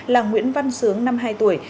là nguyễn văn sướng năm hai tuổi